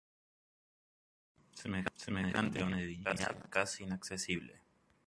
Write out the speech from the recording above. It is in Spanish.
Semejante a una divinidad casi inaccesible.